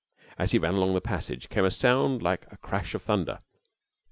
As he ran along the passage came a sound like a crash of thunder.